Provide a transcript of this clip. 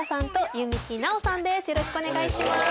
よろしくお願いします。